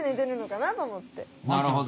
なるほど。